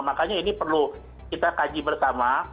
makanya ini perlu kita kaji bersama